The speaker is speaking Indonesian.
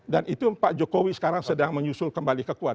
dan itu pak jokowi sekarang sedang menyusul kembali kekuat